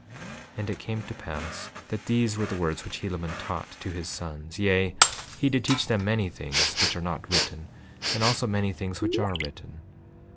5:13 And it came to pass that these were the words which Helaman taught to his sons; yea, he did teach them many things which are not written, and also many things which are written.